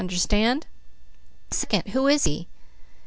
Understand? Second, who is he?"